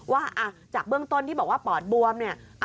ว่าจากเบื้องต้นที่บอกว่าปอดบวมเนี่ย